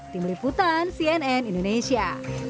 tim liputan cnn indonesia